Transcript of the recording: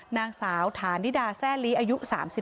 นางสาวฐานิดาแซ่ลีอายุ๓๓